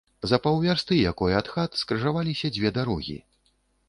За паўвярсты якой ад хат скрыжаваліся дзве дарогі.